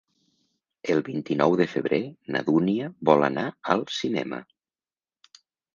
El vint-i-nou de febrer na Dúnia vol anar al cinema.